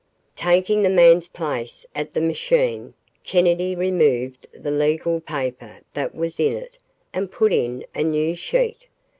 Taking the man's place at the machine, Kennedy removed the legal paper that was in it and put in a new sheet.